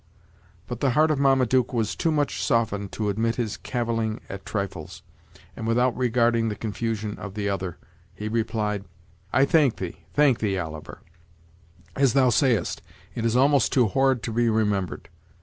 But the heart of Marmaduke was too much softened to admit his cavilling at trifles, and, without regarding the confusion of the other, he replied: "I thank thee, thank thee, Oliver; as thou sayest, it is almost too horrid to be remembered.